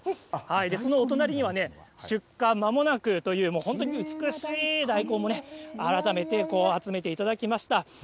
そのお隣には、出荷まもなくという、本当に美しい大根も改めて集めていただきました。